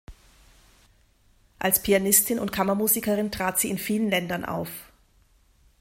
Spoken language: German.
Als Pianistin und Kammermusikerin trat sie in vielen Ländern auf.